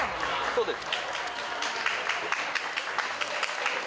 そうです